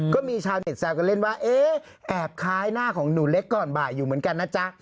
ก็มีชาวเน็ตแซวกันเล่นว่าเอ๊ะแอบคล้ายหน้าของหนูเล็กก่อนบ่ายอยู่เหมือนกันนะจ๊ะ